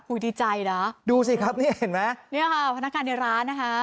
ดีใจนะดูสิครับนี่เห็นไหมเนี่ยค่ะพนักงานในร้านนะคะ